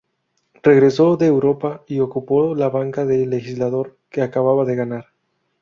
Regresó de Europa y ocupó la banca de legislador que acababa de ganar.